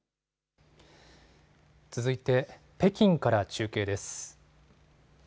続いて北京から中継です。